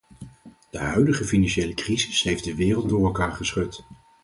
De huidige financiële crisis heeft de wereld door elkaar geschud.